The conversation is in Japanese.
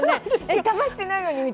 だましてないのにって。